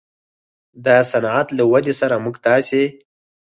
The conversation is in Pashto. د صنعت له ودې سره موږ تاسې